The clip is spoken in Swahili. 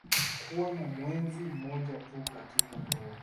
Kuwa na mwenzi mmoja tu katika ndoa